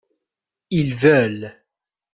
Ils veulent.